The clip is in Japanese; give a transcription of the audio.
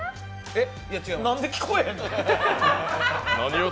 えっ？